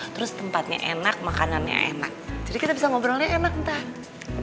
terus tempatnya enak makanannya enak jadi kita bisa ngobrolnya enak ntar